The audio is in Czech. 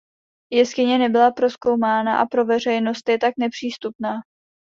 Jeskyně nebyla prozkoumána a pro veřejnost je tak nepřístupná.